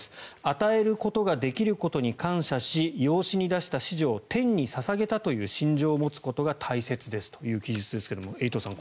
与えることができることに感謝し養子に出した子女を天に捧げたという心情を持つことが大切ということですがエイトさん